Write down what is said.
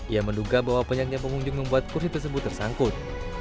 ia menduga bahwa penyakitnya pengunjung membuat kursi tersebut tersangkut